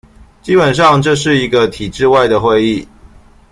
基本上這是一個體制外的會議